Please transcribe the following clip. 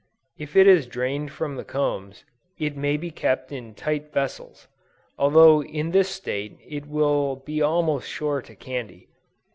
If it is drained from the combs, it may be kept in tight vessels, although in this state it will be almost sure to candy.